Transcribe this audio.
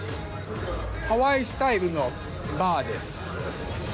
ハワイスタイルのバーです。